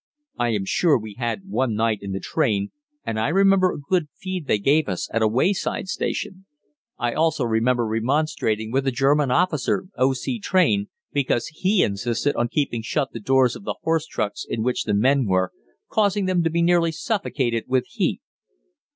I am sure we had one night in the train, and I remember a good feed they gave us at a wayside station. I also remember remonstrating with a German officer, O.C. train, because he insisted on keeping shut the doors of the horse trucks in which the men were, causing them to be nearly suffocated with heat.